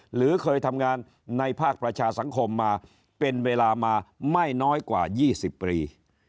หรือเคยทำงานในภาคประชาสังคมมาเป็นเวลามาไม่น้อยกว่า๒๐ปี